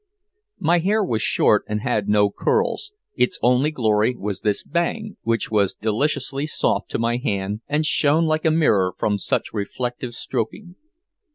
My hair was short and had no curls, its only glory was this bang, which was deliciously soft to my hand and shone like a mirror from much reflective stroking.